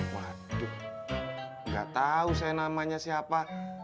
waduh gak tau saya namanya siapa